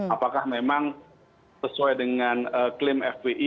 apakah memang sesuai dengan klaim fpi